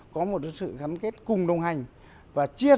có một sự gắn kết cùng đồng hành và chia